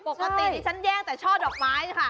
ปกติดิฉันแย่งแต่ช่อดอกไม้ค่ะ